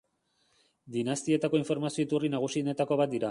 Dinastietako informazio iturri nagusienetako bat dira.